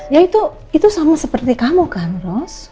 ya itu sama seperti kamu kan ros